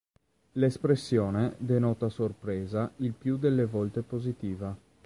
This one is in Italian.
L'espressione denota sorpresa il più delle volte positiva.